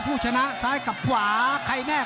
ภูตวรรณสิทธิ์บุญมีน้ำเงิน